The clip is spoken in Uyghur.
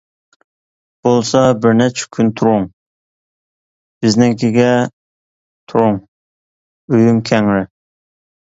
بولسا بىر نەچچە كۈن تۇرۇڭ، بىزنىڭكىگە تۇرۇڭ، ئۆيۈم كەڭرى.